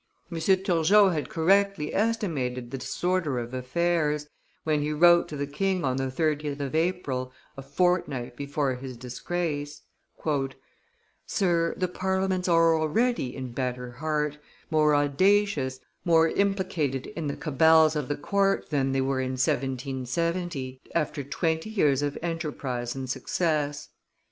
M. Turgot had correctly estimated the disorder of affairs, when he wrote to the king on the 30th of April, a fortnight before his disgrace: "Sir, the parliaments are already in better heart, more audacious, more implicated in the cabals of the court than they were in 1770, after twenty years of enterprise and success.